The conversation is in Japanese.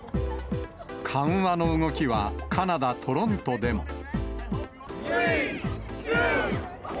緩和の動きはカナダ・トロントでも。